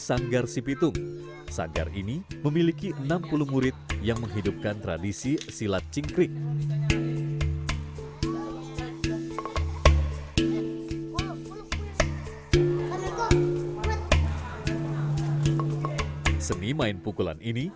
selain sabeni tokoh betawi yang hidup dalam masyarakat betawi